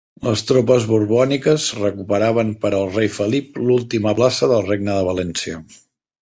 Les tropes borbòniques recuperaven per al rei Felip l'última plaça del Regne de València.